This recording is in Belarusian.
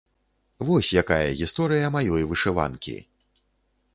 Вось якая гісторыя маёй вышыванкі!